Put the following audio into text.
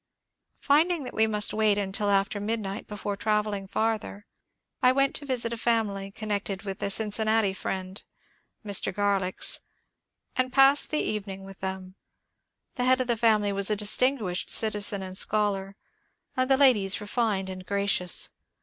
Finding that we must wait until after midnight before travelling farther, I went to visit a family connected with a Cincinnati friend (Mr. Garlichs), and passed the evening with them. The head of the family was a distinguished citi zen and scholar, and the ladies refined and gracious.